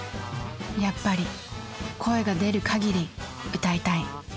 やっぱり声が出る限り歌いたい。